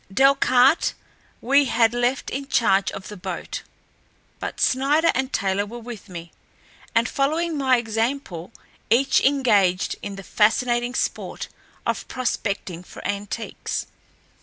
Delcarte we had left in charge of the boat; but Snider and Taylor were with me, and following my example, each engaged in the fascinating sport of prospecting for antiques.